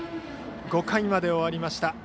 ５回まで終わりました。